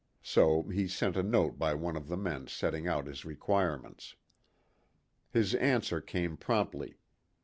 So he sent a note by one of the men setting out his requirements. His answer came promptly.